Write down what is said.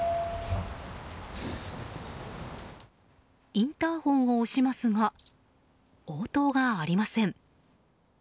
インターホンを押しますが応答がありません。